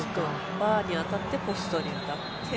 バーに当たってポストに当たって。